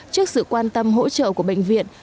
trước sự quan tâm hỗ trợ của bệnh viện